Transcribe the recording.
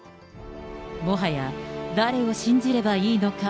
もはや、誰を信じればいいのか。